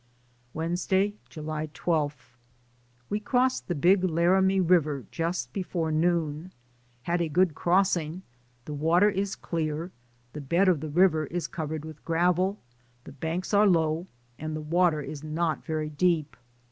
Wednesday, July 12. We crossed the Big Laramie River just before noon. Had a good crossing ; the wa ter is clear, the bed of the river is covered with gravel, the banks are low, and the water is not very deep.